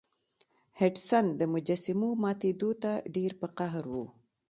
هډسن د مجسمو ماتیدو ته ډیر په قهر و.